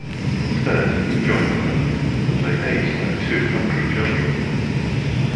Instead, he joined her; and they ate like two hungry children.